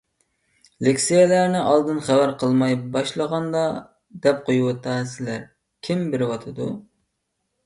لېكسىيەلەرنى ئالدىن خەۋەر قىلماي باشلىغاندا دەپ قويۇۋاتىسىلەر. كىم بېرىۋاتىدۇ؟